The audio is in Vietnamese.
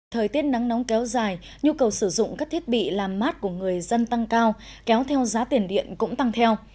thời tiết nắng nóng kéo dài nhu cầu sử dụng các thiết bị làm mát của người dân tăng cao kéo theo giá tiền điện cũng tăng theo